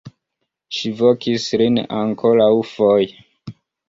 Ŝi vokis lin ankoraŭfoje.